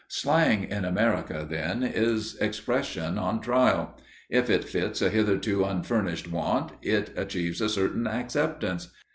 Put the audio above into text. Slang in America, then, is expression on trial; if it fits a hitherto unfurnished want it achieves a certain acceptance.